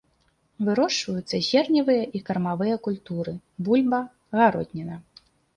Вырошчваюцца зерневыя і кармавыя культуры, бульба, гародніна.